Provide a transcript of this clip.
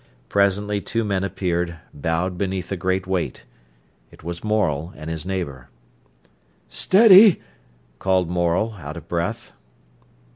Presently two men appeared, bowed beneath a great weight. It was Morel and his neighbour. "Steady!" called Morel, out of breath.